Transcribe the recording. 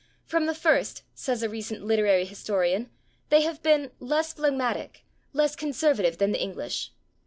From the first, says a recent literary historian, they have been "less phlegmatic, less conservative than the English.